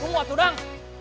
nunggu atuh dang